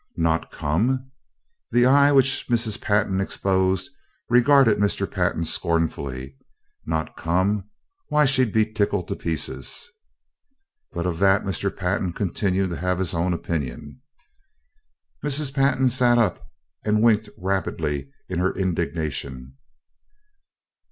"Not come!" The eye which Mrs. Pantin exposed regarded Mr. Pantin scornfully. "Not come? Why, she'd be tickled to pieces." But of that Mr. Pantin continued to have his own opinion. Mrs. Pantin sat up and winked rapidly in her indignation.